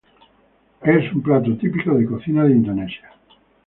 Es un plato típico de cocina de Indonesia.